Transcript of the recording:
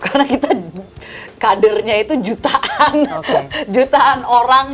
karena kadernya itu jutaan orang